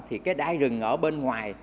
thì cái đai rừng ở bên ngoài